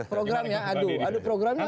program ya aduh programnya apa